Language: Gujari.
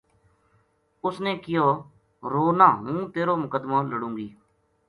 اُس نے کہیو ”رو نہ ہوں تیرو مقدمو لڑوں گی